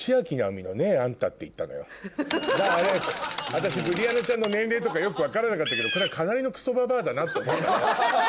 私ブリアナちゃんの年齢とかよく分からなかったけどこれはかなりのクソババアだなと思ったの。